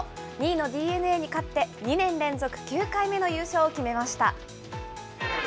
２位のＤｅＮＡに勝って、２年連続９回目の優勝を決めました。